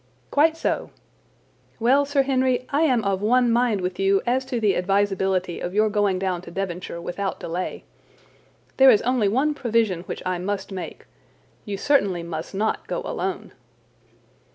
"Quite so. Well, Sir Henry, I am of one mind with you as to the advisability of your going down to Devonshire without delay. There is only one provision which I must make. You certainly must not go alone."